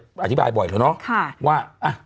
อันนี้เราอธิบายบ่อยขึ้นน้ำ